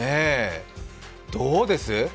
どうです？